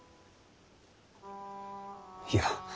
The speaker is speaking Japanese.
いや。